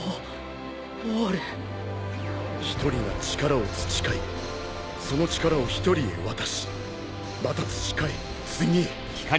１人が力を培いその力を１人へ渡しまた培い次へ。